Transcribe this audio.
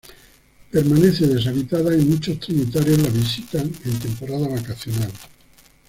Permanece deshabitada, y muchos trinitarios la visitan en temporada vacacional.